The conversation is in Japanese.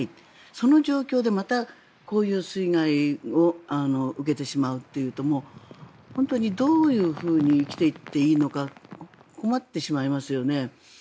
その状況でまたこういう水害を受けてしまうというと本当にどういうふうに生きていっていいのか困ってしまいますよね。